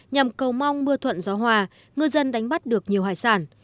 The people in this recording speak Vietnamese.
nhằm cầu mong mưa thuận gió hòa ngư dân đánh bắt được nhiều hải sản